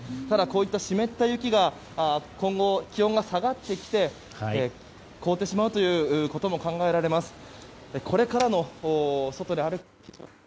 ただ、こういった湿った雪が今後、気温が下がってきて凍ってしまうということも考えられます。